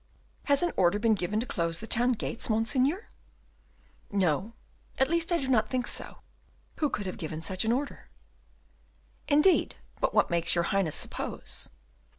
"Has an order been given to close the town gates, Monseigneur?" "No, at least I do not think so; who could have given such an order?" "Indeed, but what makes your Highness suppose?"